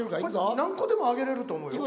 これ何個でもあげれると思うよ。